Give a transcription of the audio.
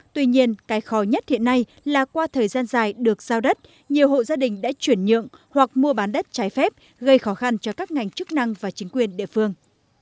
tuy nhiên cái khó nhất hiện nay là qua thời gian dài được giao đất nhiều hộ gia đình đã chuyển nhượng hoặc mua bán đất trái phép gây khó khăn cho các ngành chức năng và chính quyền địa phương